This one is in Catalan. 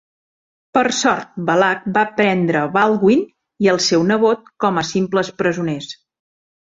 Per sort, Balac va prendre Baldwin i el seu nebot com a simples presoners.